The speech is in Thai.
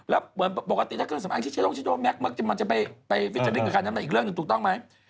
แล้วปกติเครื่องสำอางที่ใช้ตรงเชี่ยวแม็กซ์มันจะไปวิจาริย์กับค่าน้ำหน้าอีกเรื่องถูกต้องไหม